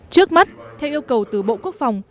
trước mắt theo yêu cầu từ bộ quốc phòng